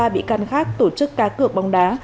ba bị can khác tổ chức cá cược bóng đá